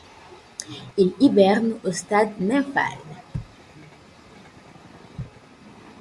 Il hiberne au stade nymphal.